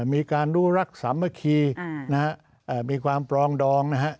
มีการรู้รักสามัคคีมีความปรองดองนะฮะ